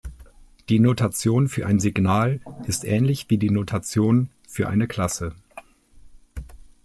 Die Notation für ein Signal ist ähnlich wie die Notation für eine Klasse.